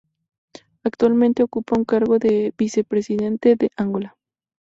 Actualmente ocupa el cargo de Vicepresidente de Angola.